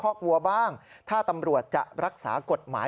โรงพักโรงพัก